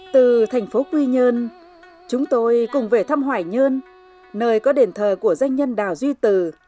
từ thành phố quy nhơn chúng tôi cùng về thăm hoài nhơn nơi có đền thờ của danh nhân đào duy từ